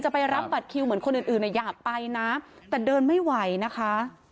ไปรับบัตรคิวเหมือนคนอื่นอยากไปนะแต่เดินไม่ไหวนะคะ